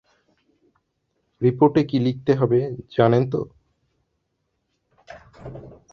রিপোর্টে কী লিখতে হবে জানেন তো?